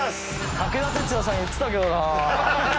武田鉄矢さん言ってた。